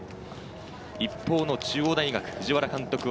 一方の中央大学・藤原監督は